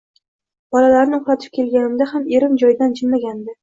Bolalarni uxlatib kelganimda ham erim joyidan jilmagandi